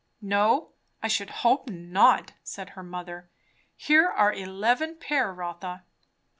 "No, I should hope not," said her mother. "Here are eleven pair, Rotha."